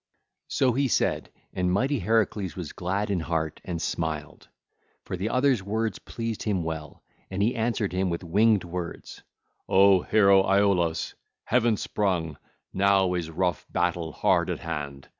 (ll. 115 117) So he said. And mighty Heracles was glad in heart and smiled, for the other's words pleased him well, and he answered him with winged words: (ll. 118 121) 'O hero Iolaus, heaven sprung, now is rough battle hard at hand.